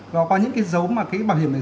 nó có những cái dấu mà cái bảo hiểm này